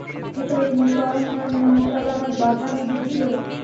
মিথ্যাবাদী মুসায়লামার বাঁদরামি বৃদ্ধি পেল।